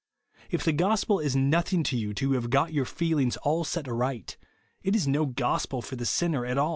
If the gos pel is nothing to you till you have got your feelings all set right, it is no gospel for the sinner at aU.